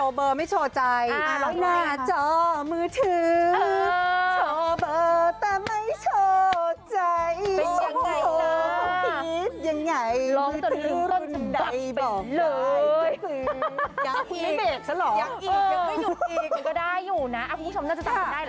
โชเบอร์ไม่โชชใจห้างหน้าจอมือถือโชเบอร์แต่ไม่โชชใจ